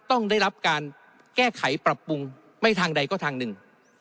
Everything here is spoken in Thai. ต้องได้รับการแก้ไขปรับปรุงไม่ทางใดก็ทางหนึ่ง